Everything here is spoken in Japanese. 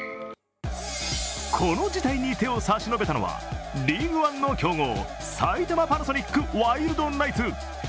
この事態に手を差し伸べたのはＬＥＡＧＵＥＯＮＥの強豪埼玉パナソニックワイルドナイツ。